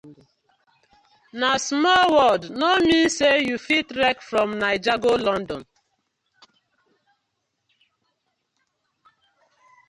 Na small world no mean say you fit trek from Naija go London: